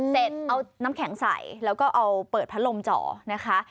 เสร็จเอาน้ำแข็งใส่แล้วก็เอาเปิดพัดลมจ่อนะคะ